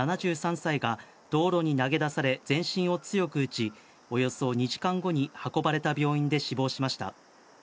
７３歳が道路に投げ出され、全身を強く打ち、およそ２時間後に運ばれた病院で死亡しました。